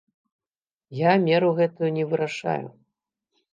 Я меру гэтую не вырашаю.